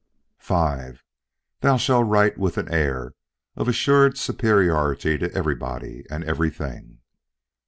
V. Thou shalt write with an air of assured superiority to everybody, and everything.